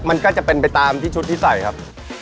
มันก็จะเป็นไปตามที่ชุดที่ใส่ครับ